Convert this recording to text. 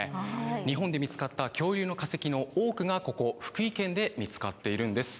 日本で見つかった恐竜の化石の多くがここ福井県で見つかっているんです。